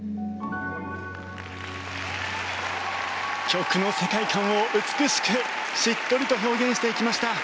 曲の世界観を美しくしっとりと表現していきました。